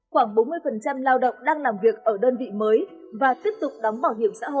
khoảng bốn mươi lao động đang làm việc ở đơn vị mới và tiếp tục đóng bảo hiểm xã hội